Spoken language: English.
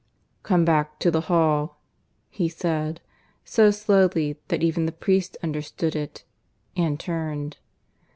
"Come back to the hall," he said, so slowly that even the priest understood it, and turned.